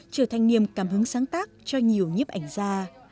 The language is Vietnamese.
trở thành niềm cảm hứng sáng tác cho nhiều nhiếp ảnh gia